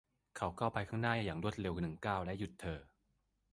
เขาก้าวไปข้างหน้าอย่างรวดเร็วหนึ่งก้าวและหยุดเธอ